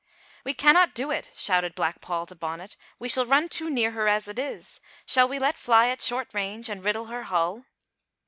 "We cannot do it," shouted Black Paul to Bonnet, "we shall run too near her as it is. Shall we let fly at short range and riddle her hull?"